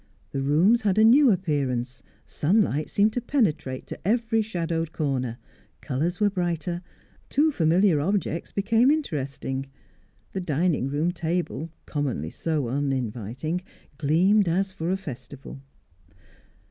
The rooms had a new appearance; sunlight seemed to penetrate to every shadowed corner; colours were brighter, too familiar objects became interesting. The dining room table, commonly so uninviting, gleamed as for a festival.